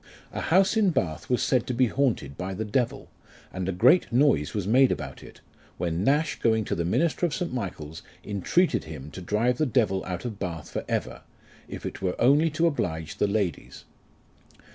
A house in Bath was said to be haunted by the devil, and a great noise was made about it, when Nash going to the minister of St. Michael's, intreated him to drive the devil out of Bath for ever, if it were only to oblige the ladies.